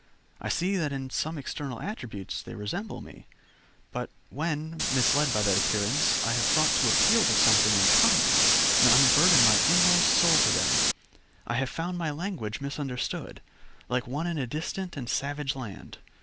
I see that in some external attributes they resemble me, but when, misled by that appearance, I have thought to appeal to something in common, and unburthen my inmost soul to them, I have found my language misunderstood, like one in a distant and savage land.